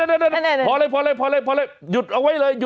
อ่ะพอเลยยุดเอาไว้เลย